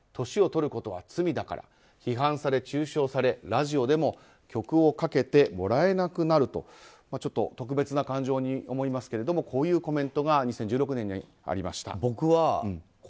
年をとることは罪だから批判され、中傷されラジオでも曲をかけてもらえなくなるとちょっと特別な感情に思いますけれどもこういうコメントが２０１６年にありました。